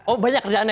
oh banyak kerjaannya